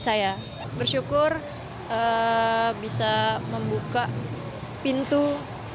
itu adalah nilai yang benar benar menarik untuk mencapai nilai empat ratus empat puluh lima